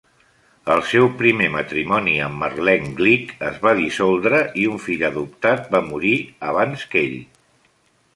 El seu primer matrimoni, amb Marlene Glick, es va dissoldre i un fill adoptat va morir abans que ell.